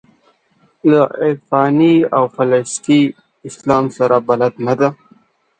له عرفاني او فلسفي اسلام سره بلد نه دي.